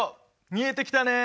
見えてきたね！